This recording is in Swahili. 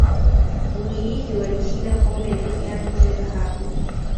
ugiriki walishinda kombe na kiatu cha dhahabu